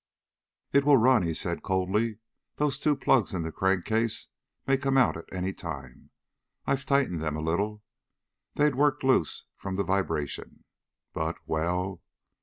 "It will run," he said coldly. "Those two plugs in the crankcase may come out at any time. I've tightened them a little. They'd worked loose from the vibration. But well....